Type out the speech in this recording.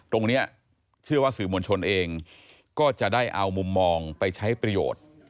เชื่อว่าสื่อมวลชนเองก็จะได้เอามุมมองไปใช้ประโยชน์